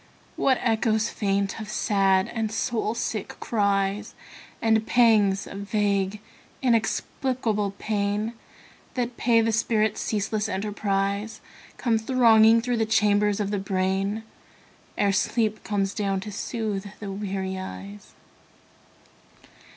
What echoes faint of sad and soul sick cries, And pangs of vague inexplicable pain That pay the spirit's ceaseless enterprise, Come thronging through the chambers of the brain Ere sleep comes down to soothe the weary eyes.